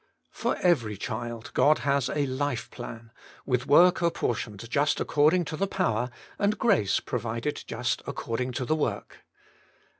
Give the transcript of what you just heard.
For every child God has a life plan, with work apportioned just according to the power, and grace provided just according to the work.